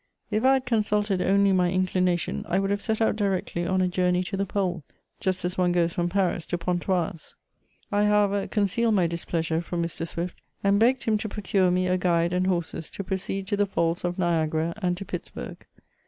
If I had consulted only my inclination, I would have set out directly on a journey to the Pole, just as one goes from Paris to Pontoise. I, however, concealed my displeasure from Mr. S\\ift, and begged him to procure me a guide and horses to proceed to the Falls of JKiagara and to Pittsburg.